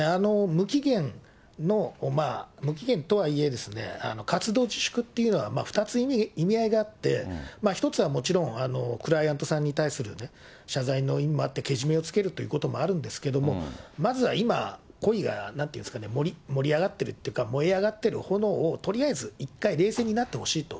無期限の、無期限とはいえ、活動自粛っていうのは２つ意味合いがあって、１つはもちろん、クライアントさんに対する謝罪の意味もあって、けじめをつけるということもあるんですけれども、まずは今、恋がなんていうんですかね、盛り上がってるっていうか、燃え上ってる炎を、とりあえず一回冷静になってほしいと。